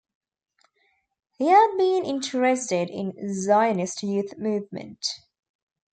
He had been interested in the Zionist youth movement.